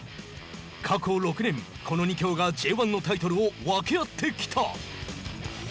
過去６年、この２強がＪ１のタイトルを分け合ってきた。